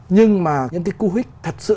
nhưng mà những cái cú hích thật sự